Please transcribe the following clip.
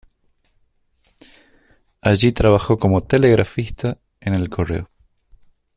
Allí trabajó como telegrafista en el correo.